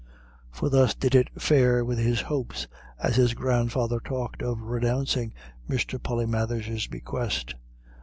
For thus did it fare with his hopes as his grandfather talked of renouncing Mr. Polymathers's bequest.